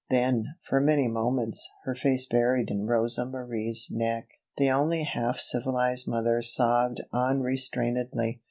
Then, for many moments, her face buried in Rosa Marie's neck, the only half civilized mother sobbed unrestrainedly.